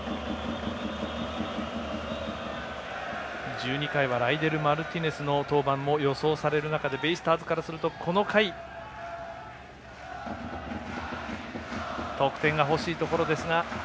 １２回はライデル・マルティネスの登板も予想される中でベイスターズからするとこの回、得点が欲しいところですが。